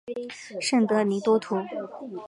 圣德尼多图。